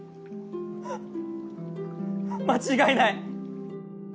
間違いない！